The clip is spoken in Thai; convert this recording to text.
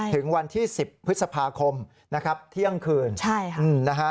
ถึงวันที่๑๐พฤษภาคมเที่ยงคืน